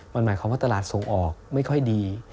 มันหมายความว่าตลาดส่งออกไม่ค่อยดี